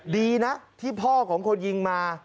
ดีนะที่พ่อของคนยิงมา